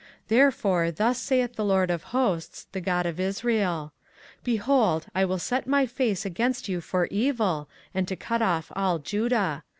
24:044:011 Therefore thus saith the LORD of hosts, the God of Israel; Behold, I will set my face against you for evil, and to cut off all Judah.